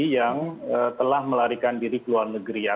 yang telah melarikan diri di luar negeri